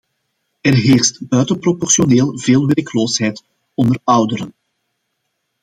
Er heerst buitenproportioneel veel werkloosheid onder ouderen.